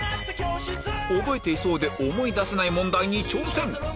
覚えていそうで思い出せない問題に挑戦！